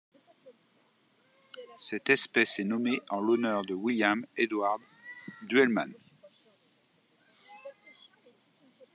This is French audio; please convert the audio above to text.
Cette espèce est nommée en l'honneur de William Edward Duellman.